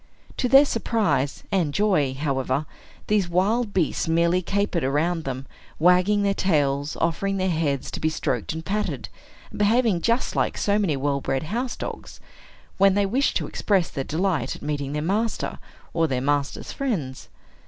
To their surprise and joy, however, these wild beasts merely capered around them, wagging their tails, offering their heads to be stroked and patted, and behaving just like so many well bred house dogs, when they wish to express their delight at meeting their master, or their master's friends.